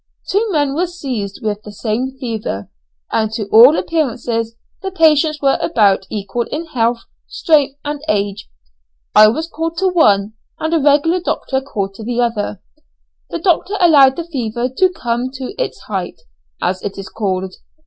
Two men were seized with the same fever, and to all appearance the patients were about equal in health, strength, and age. I was called to one, and a regular doctor to the other. The doctor allowed the fever to come to its height, as it is called.